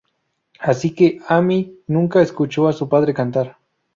Así que Amy nunca escuchó a su padre cantar.